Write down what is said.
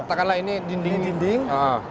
katakanlah ini dinding